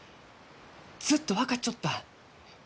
ずっと分かっちょった！